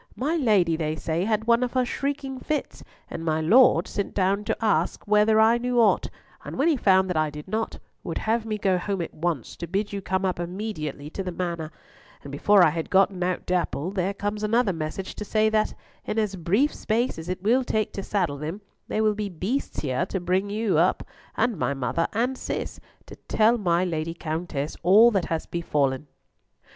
My Lady, they say, had one of her shrieking fits, and my Lord sent down to ask whether I knew aught; and when he found that I did not, would have me go home at once to bid you come up immediately to the Manor; and before I had gotten out Dapple, there comes another message to say that, in as brief space as it will take to saddle them, there will be beasts here to bring up you and my mother and Cis, to tell my Lady Countess all that has befallen."